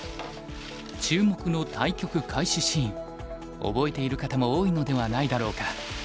注目の対局開始シーン覚えている方も多いのではないだろうか。